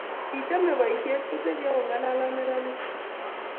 Kichomei boisie kotepii ak kong'alal ak neranik kwak.